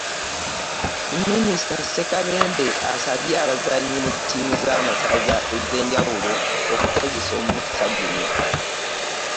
Minisita Ssekabembe asabye abazannyi mu ttiimu z'amasaza ez'enjawulo okukozesa omukisa guno